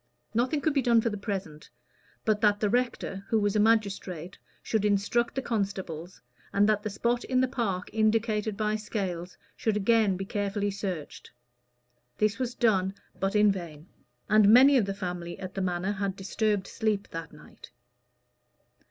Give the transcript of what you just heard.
Nothing could be done for the present, but that the rector, who was a magistrate, should instruct the constables, and that the spot in the park indicated by Scales should again be carefully searched. This was done, but in vain; and many of the family at the Manor had disturbed sleep that night.